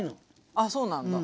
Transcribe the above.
ああそうなんだ。